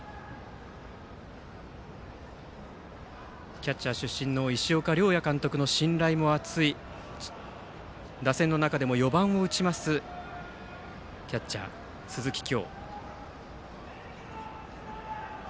キャッチャー出身の石岡諒哉監督の信頼も厚い打線の中でも４番を打ちますキャッチャー、鈴木叶。